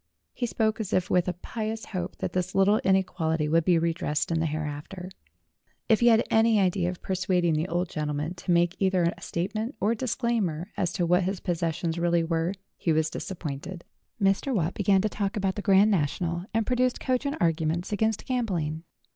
He spoke as if with a pious hope that this little inequality would be redressed in the hereafter. If he had any idea of persuading the old gentleman to make either a statement or disclaimer as to what his possessions really were, he was disap pointed. Mr. Watt began to talk about the Grand National, and produced cogent arguments against gambling.